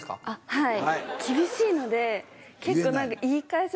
はい。